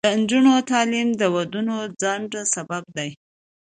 د نجونو تعلیم د ودونو ځنډ سبب دی.